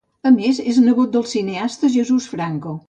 A més és nebot del cineasta Jesús Franco.